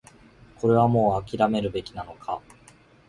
これはもう諦めるべきなのか